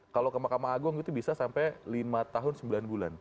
kalau ke mahkamah agung itu bisa sampai lima tahun sembilan bulan